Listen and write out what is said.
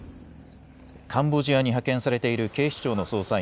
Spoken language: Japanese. カンボジアに派遣されている警視庁の捜査員